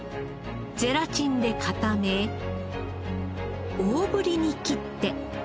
ゼラチンで固め大ぶりに切って。